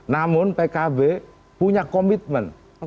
namun pkb punya komitmen